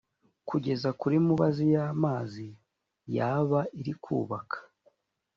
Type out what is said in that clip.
kugeza kuri mubazi y amazi yaba iri kubaka